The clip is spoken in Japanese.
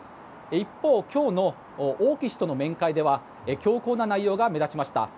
一方、今日の王毅氏との会談では強硬な内容が目立ちました。